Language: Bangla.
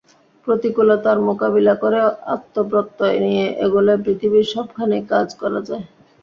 প্রতিকূলতার মোকাবিলা করে আত্মপ্রত্যয় নিয়ে এগোলে পৃথিবীর সবখানেই কাজ করা যায়।